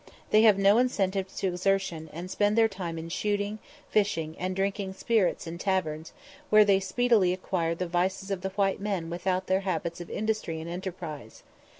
They have no incentives to exertion, and spend their time in shooting, fishing, and drinking spirits in taverns, where they speedily acquire the vices of the white men without their habits of industry and enterprise.